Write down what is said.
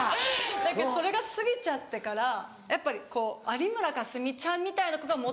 だからそれが過ぎちゃったからやっぱり有村架純ちゃんみたいな子がモテるんで。